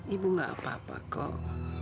ibu gak apa apa kok